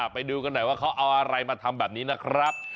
ไปดูกันหน่อยว่าเขาเอาอะไรมาทำแบบนี้นะครับ